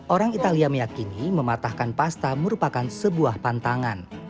orang italia meyakini mematahkan pasta merupakan sebuah pantangan